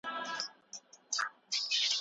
طبري د دي ایت تفسیر کړی دی.